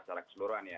secara keseluruhan ya